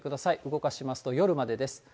動かしますと、夜までです。